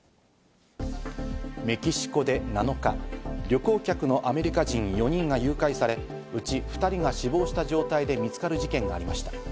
メキシコで７日、旅行客のアメリカ人４人が誘拐され、うち２人が死亡した状態で見つかる事件がありました。